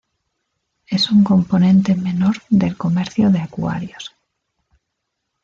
Es un componente menor del comercio de acuarios.